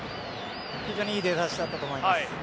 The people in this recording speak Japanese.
非常にいい出だしだったと思います。